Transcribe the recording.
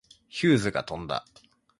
ヒューズが飛んだ。